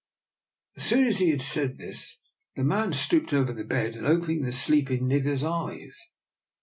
As soon as he had said this the man stooped over the bed and opened the sleeping nigger's eyes.